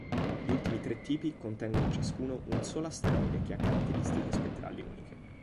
Gli ultimi tre tipi contengono ciascuno un solo asteroide che ha caratteristiche spettrali uniche.